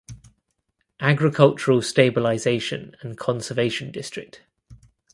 Agricultural Stabilization and Conservation District.